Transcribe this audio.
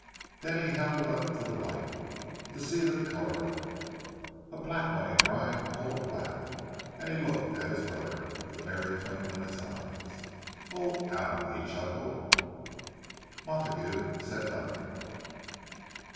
Then he held it up to the light, to see the colour of it. "A black one!" he cried. "Coal black!" And he looked at his brother, with a merry twinkle in his eyes. "Oh, Allan!" he chuckled. Montague said nothing.